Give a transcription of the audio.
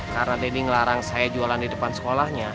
karena denny ngelarang saya jualan di depan sekolahnya